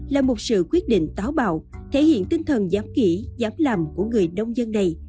là một sự quyết định táo bạo thể hiện tinh thần giám kỹ giám làm của người nông dân này